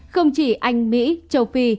không chỉ anh mỹ châu phi